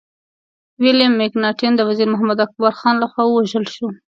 ويليم مکناټن د وزير محمد اکبر خان لخوا ووژل شو.